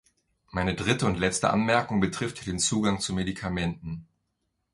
Meine dritte und letzte Anmerkung betrifft den Zugang zu Medikamenten.